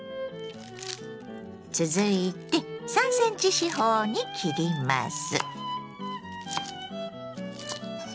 続いて３ｃｍ四方に切ります。